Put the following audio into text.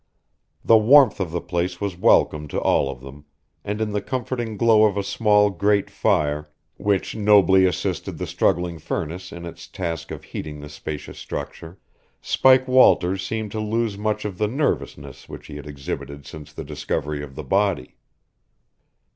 The warmth of the place was welcome to all of them, and in the comforting glow of a small grate fire, which nobly assisted the struggling furnace in its task of heating the spacious structure, Spike Walters seemed to lose much of the nervousness which he had exhibited since the discovery of the body.